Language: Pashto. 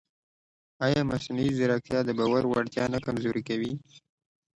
ایا مصنوعي ځیرکتیا د باور وړتیا نه کمزورې کوي؟